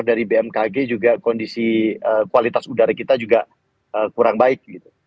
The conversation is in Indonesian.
dari bmkg juga kondisi kualitas udara kita juga kurang baik